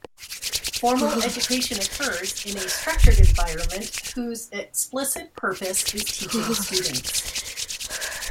Formal education occurs in a structured environment whose explicit purpose is teaching students.